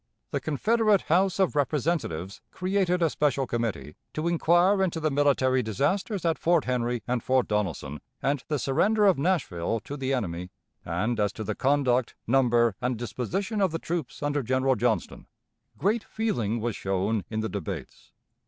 The Confederate House of Representatives created a special committee "to inquire into the military disasters at Fort Henry and Fort Donelson, and the surrender of Nashville to the enemy," and as to the conduct, number, and disposition of the troops under General Johnston. Great feeling was shown in the debates.